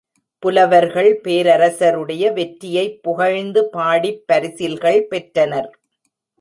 புலவர்கள் பேரரசருடைய வெற்றியைப் புகழ்ந்து பாடிப் பரிசில்கள் பெற்றனர்.